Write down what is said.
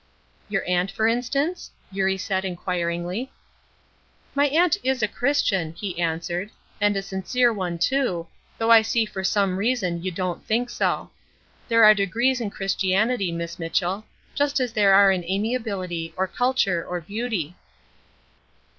"Your aunt, for instance?" Eurie said, inquiringly. "My aunt is a Christian," he answered, "and a sincere one, too, though I see for some reason you don't think so. There are degrees in Christianity, Miss Mitchell, just as there are in amiability, or culture, or beauty."